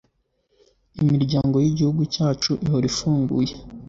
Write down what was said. imiryango y’igihugu cyacu ihora ifunguye